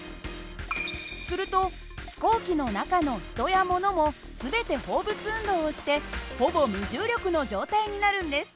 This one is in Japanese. すると飛行機の中の人やものも全て放物運動をしてほぼ無重力の状態になるんです。